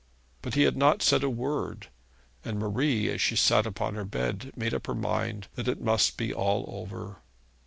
But he had said not a word, and Marie, as she sat upon her bed, made up her mind that it must be all over.